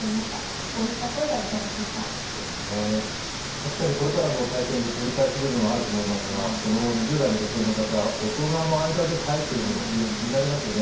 確かに、これからの体験で取り返す面はあると思いますが、この２０代の女性の方、大人の間でさえというのは非常に気になりますよね。